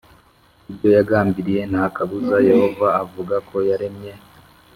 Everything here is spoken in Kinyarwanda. Ibyo yagambiriye nta kabuza yehova avuga ko yaremye